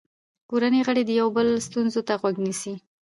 کورنۍ غړي د یو بل ستونزو ته غوږ نیسي